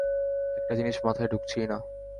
একটা জিনিস মাথায় ঢুকছেই না!